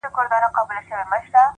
ستا سترگي دي ـ